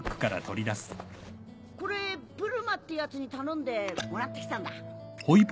これブルマってやつに頼んでもらってきたんだ。